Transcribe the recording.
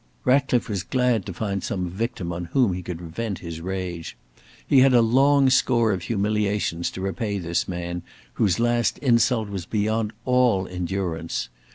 Ratcliffe was glad to find some victim on whom he could vent his rage. He had a long score of humiliations to repay this man, whose last insult was beyond all endurance.